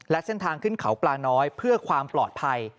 และเส้นทางขึ้นเขาปลาน้อยเพื่อความปลอดภัย